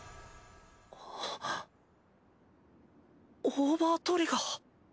オーバートリガー。